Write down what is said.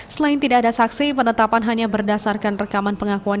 selain tidak ada saksi penetapan hanya berdasarkan rekaman pengakuan